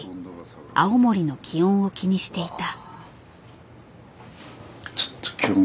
青森の気温を気にしていた。